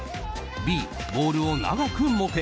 Ｂ、ボールを長く持て！